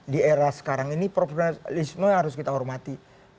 di era sekarang ini profesionalisme harus kita hormati